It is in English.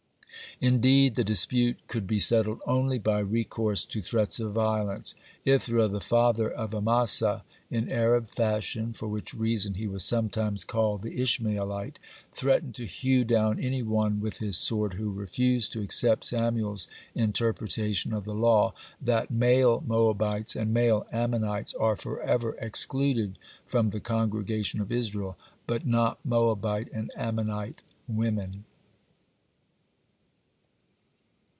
(44) Indeed, the dispute could be settled only by recourse to threats of violence. Ithra, the father of Amasa, in Arab fashion, for which reason he was sometimes called the Ishmaelite, threatened to hew down any one with his sword who refused to accept Samuel's interpretation of the law, that male Moabites and male Ammonites are forever excluded from the congregation of Israel, but not Moabite and Ammonite women.